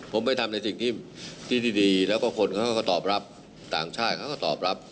ผมไปทำในสิ่งที่ดีแล้วก็คนเขาก็ตอบรับต่างชาติเขาก็ตอบรับ